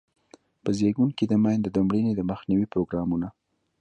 په زیږون کې د میندو د مړینې د مخنیوي پروګرامونه.